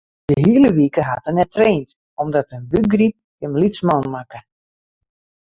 De hiele wike hat er net traind omdat in bûkgryp him lytsman makke.